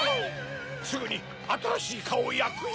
すぐにあたらしいカオをやくよ！